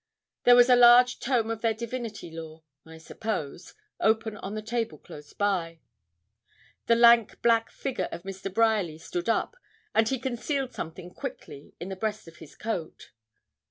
There was a large tome of their divinity lore, I suppose, open on the table close by. The lank black figure of Mr. Bryerly stood up, and he concealed something quickly in the breast of his coat.